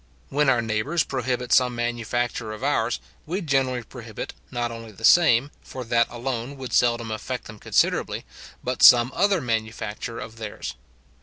When our neighbours prohibit some manufacture of ours, we generally prohibit, not only the same, for that alone would seldom affect them considerably, but some other manufacture of theirs.